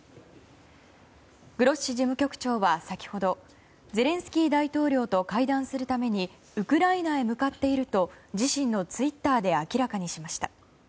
グロッシ事務局長は先ほどゼレンスキー大統領と会談するためにウクライナへ向かっていると自身のツイッターで明らかにしました。